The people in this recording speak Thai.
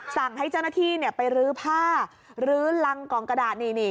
สั่งให้เจ้าหน้าที่ไปรื้อผ้าลื้อรังกล่องกระดาษ